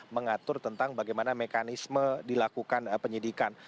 mengatur tentang bagaimana mekanisme dilakukan penyidikan